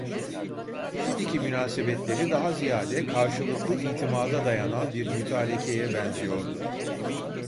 Şimdiki münasebetleri daha ziyade karşılıklı itimada dayanan bir mütarekeye benziyordu.